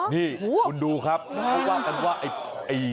นี่คุณดูครับเวรกอะไรมาก